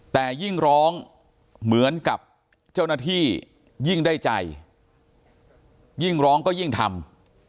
แต่ยิ่งร้องเหมือนกับเจ้าหน้าที่ยิ่งได้ใจยิ่งร้องก็ยิ่งทำ